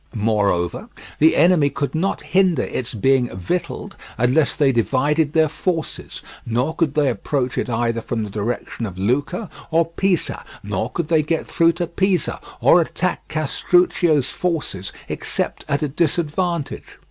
Moreover, the enemy could not hinder its being victualled unless they divided their forces, nor could they approach it either from the direction of Lucca or Pisa, nor could they get through to Pisa, or attack Castruccio's forces except at a disadvantage.